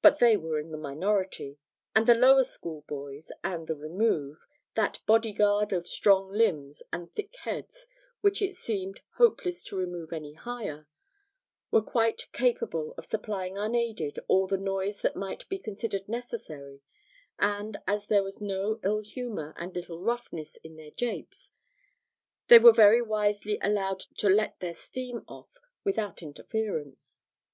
But they were in the minority, and the Lower School boys and the 'Remove' that bodyguard of strong limbs and thick heads which it seemed hopeless to remove any higher were quite capable of supplying unaided all the noise that might be considered necessary; and, as there was no ill humour and little roughness in their japes, they were very wisely allowed to let their steam off without interference.